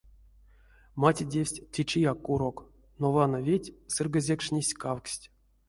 Матедевсь течияк курок, но вана веть сыргозекшнесь кавксть.